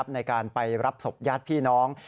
ในการไปรับศพญาติพี่น้อง